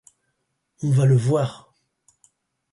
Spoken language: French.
On va le voir